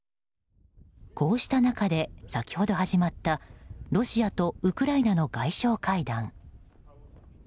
こうした中で、先ほど始まったロシアとウクライナの外相会談。